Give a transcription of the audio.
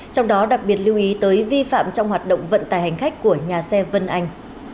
trong đó đặc biệt lưu ý tới vi phạm trong hoạt động vận tải hành khách của nhà xe vân anh